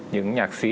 những nhạc sĩ